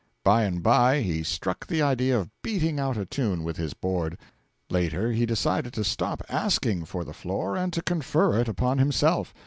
By and by he struck the idea of beating out a tune with his board. Later he decided to stop asking for the floor, and to confer it upon himself.